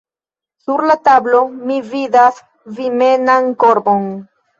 Sur la tablo mi vidas vimenan korbon.